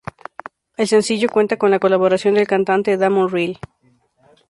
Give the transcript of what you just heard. El sencillo cuenta con la colaboración del cantante Damon Reel.